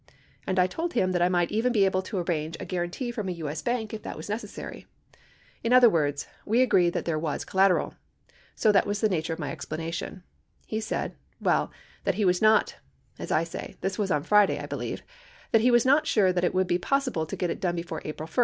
And I told him that I might even be able to arrange a guarantee from a TJ.S. bank if that was necessary. In other words, w T e agreed that there was collateral. So that was the nature of my explanation. He said, well, that he was not — as I say, this was on Fri day, I believe — that he was not sure that it would be possible to get it done before April 1.